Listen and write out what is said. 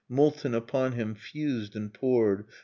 Molten upon him fused and poured.